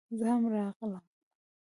زه هم راغلم